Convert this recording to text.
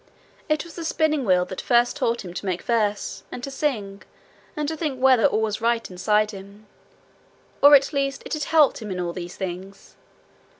It was the spinning wheel that first taught him to make verses, and to sing, and to think whether all was right inside him; or at least it had helped him in all these things.